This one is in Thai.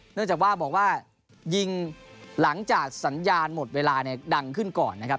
เนื่องจากว่าบอกว่ายิงหลังจากสัญญาณหมดเวลาเนี่ยดังขึ้นก่อนนะครับ